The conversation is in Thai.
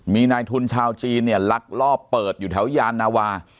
มีนายทุนชาวจีนเนี่ยลักลอบเปิดอยู่แถวยานาวา